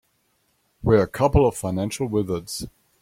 We're a couple of financial wizards.